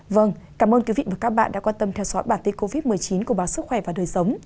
vâng cảm ơn quý vị và các bạn đã quan tâm theo dõi bản tin covid một mươi chín của báo sức khỏe và đời sống